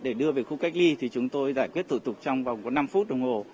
để đưa về khu cách ly thì chúng tôi giải quyết thủ tục trong vòng có năm phút đồng hồ